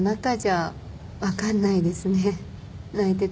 泣いてても。